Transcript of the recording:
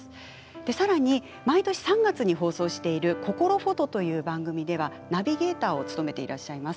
さらに毎年３月に放送される「こころフォト」という番組ではナビゲーターを務めていらっしゃいます。